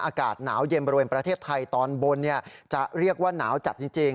อากาศหนาวเย็นบริเวณประเทศไทยตอนบนจะเรียกว่าหนาวจัดจริง